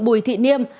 bùi thị niêm